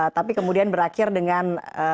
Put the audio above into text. tapi kemudian berakhir dengan